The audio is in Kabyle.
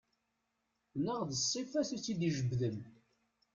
Neɣ d ssifa-s i tt-id-ijebden.